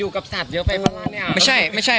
อยู่กับสัตว์เยอะไปและนี้อะ